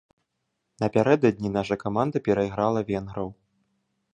Напярэдадні наша каманда перайграла венграў.